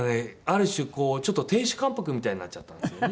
ある種こうちょっと亭主関白みたいになっちゃったんですよね。